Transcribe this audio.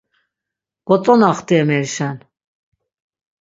Gotzonaxti emerişen!